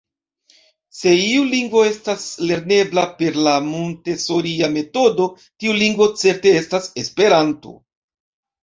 Se iu lingvo estas lernebla per la Montesoria metodo, tiu lingvo certe estas Esperanto.